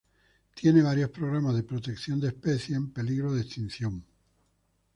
Tiene varios programas de protección de especies en peligro de extinción, por ej.